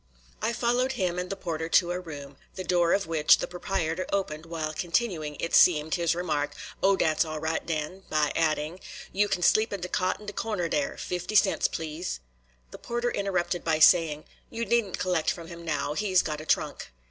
I followed him and the porter to a room, the door of which the proprietor opened while continuing, it seemed, his remark, "Oh, dat's all right den," by adding: "You kin sleep in dat cot in de corner der. Fifty cents, please." The porter interrupted by saying: "You needn't collect from him now, he's got a trunk."